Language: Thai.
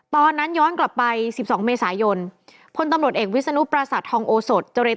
ตอนนั้นย้อนกลับไปสิบสองเมษายนพตเอกวิศนุปราสัตว์ทองโอสดจตำรวจแห่งชาติเนี่ย